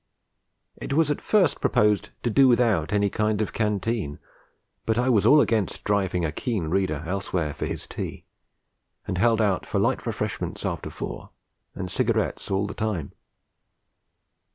It was at first proposed to do without any kind of a canteen; but I was all against driving a keen reader elsewhere for his tea, and held out for light refreshments after four and cigarettes all the time.